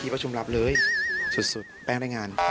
ประชุมรับเลยสุดแป้งได้งาน